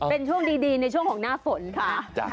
เป็นช่วงดีในช่วงของหน้าฝนค่ะ